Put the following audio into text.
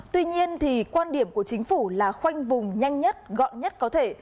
tuy nhiên thì quan điểm của chính phủ là khoanh vùng nhanh nhất gọn nhất có thể